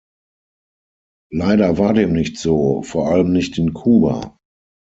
Leider war dem nicht so, vor allem nicht in Kuba.